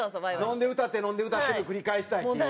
飲んで歌って飲んで歌っての繰り返したいっていう。